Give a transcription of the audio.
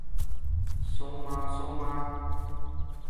蘇媽蘇媽？